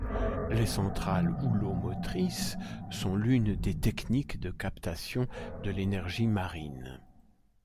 Les centrales houlomotrices sont l'une des techniques de captation de l'énergie marine.